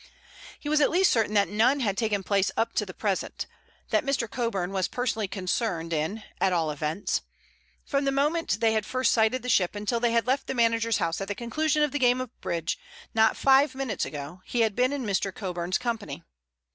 He was at least certain that none had taken place up to the present—that Mr. Coburn was personally concerned in, at all events. From the moment they had first sighted the ship until they had left the manager's house at the conclusion of the game of bridge, not five minutes ago, he had been in Mr. Coburn's company.